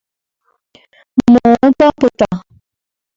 Moõpa opyta.